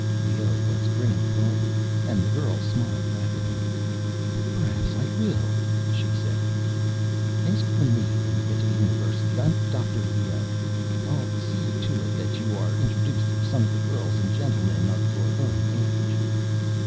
Leoh was grinning broadly, and the girl smiled back at him. "Perhaps I will," she said. "Ask for me when you get to the University. I'm Dr. Leoh. I'll see to it that you're introduced to some of the girls and gentlemen of your own age."